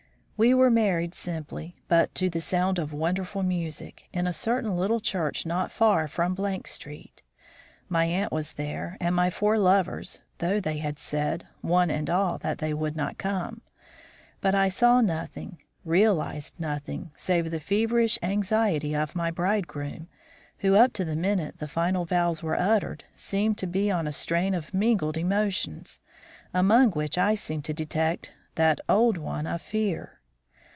We were married simply, but to the sound of wonderful music, in a certain little church not far from Street. My aunt was there and my four lovers, though they had said, one and all, they would not come. But I saw nothing, realized nothing, save the feverish anxiety of my bridegroom, who, up to the minute the final vows were uttered, seemed to be on a strain of mingled emotions, among which I seemed to detect that old one of fear.